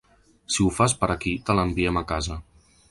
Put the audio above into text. Si ho fas per aquí te l'enviem a casa.